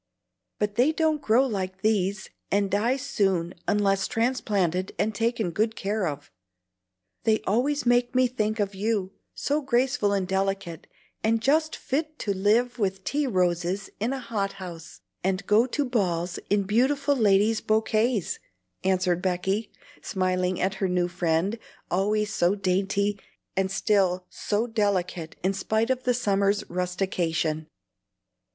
But they don't grow like these, and die soon unless transplanted and taken good care of. They always make me think of you, so graceful and delicate, and just fit to live with tea roses in a hot house, and go to balls in beautiful ladies' bokays," answered Becky, smiling at her new friend, always so dainty, and still so delicate in spite of the summer's rustication.